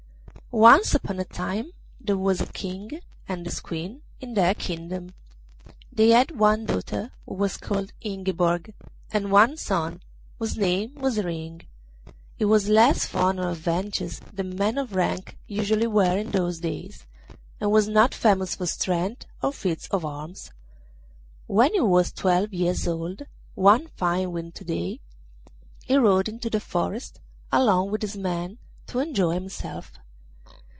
Once upon a time there was a King and his Queen in their kingdom. They had one daughter, who was called Ingiborg, and one son, whose name was Ring. He was less fond of adventures than men of rank usually were in those days, and was not famous for strength or feats of arms. When he was twelve years old, one fine winter day he rode into the forest along with his men to enjoy himself.